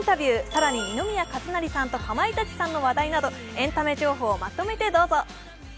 更に、二宮和也さんとかまいたちさんの話題などエンタメ情報をまとめてどうぞ。